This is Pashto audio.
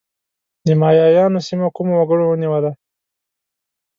د مایایانو سیمه کومو وګړو ونیوله؟